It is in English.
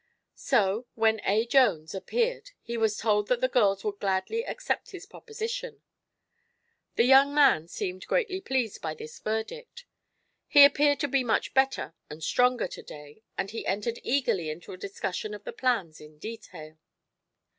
So, when A. Jones appeared he was told that the girls would gladly accept his proposition. The young man seemed greatly pleased by this verdict. He appeared to be much better and stronger to day and he entered eagerly into a discussion of the plans in detail.